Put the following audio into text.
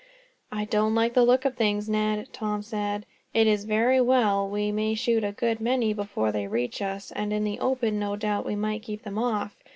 "I don't like the look of things, Ned," Tom said. "It is all very well. We may shoot a good many before they reach us, and in the open no doubt we might keep them off.